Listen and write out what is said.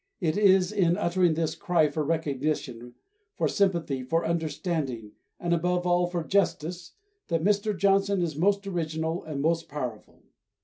It is in uttering this cry for recognition, for sympathy, for understanding, and above all, for justice, that Mr. Johnson is most original and most powerful.